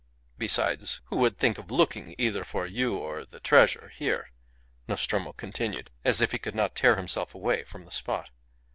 "Besides, who would think of looking either for you or the treasure here?" Nostromo continued, as if he could not tear himself away from the spot.